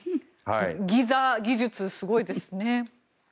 ギザ技術、すごいですね。